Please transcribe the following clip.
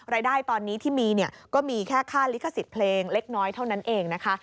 รายได้ตอนนี้ที่มีเนี่ยก็มีแค่ค่าลิขสิทธิ์เพลงเล็กน้อยเท่านั้นเองนะคะ